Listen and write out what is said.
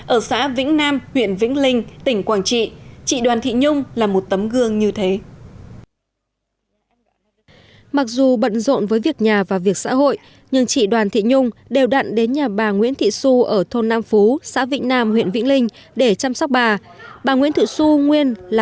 ở xã vĩnh nam huyện vĩnh linh tỉnh quảng trị chị đoàn thị nhung là một tấm gương như thế